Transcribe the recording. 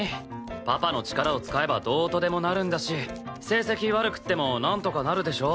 パパの力を使えばどうとでもなるんだし成績悪くてもなんとかなるでしょ？